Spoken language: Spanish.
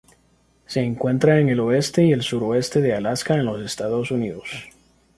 Se encuentra en el oeste y el suroeste de Alaska en los Estados Unidos.